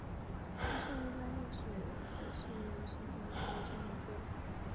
无线一般指的是无线电或无线电波。